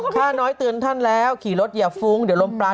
ค่าน้อยเตือนท่านแล้วขี่รถอย่าฟุ้งเดี๋ยวลมปลา